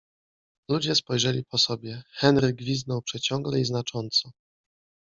Ludzie spojrzeli po sobie. Henry gwizdnął przeciągle i znacząco.